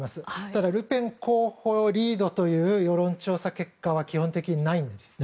ただ、ルペン候補リードという世論調査結果は基本的にないんです。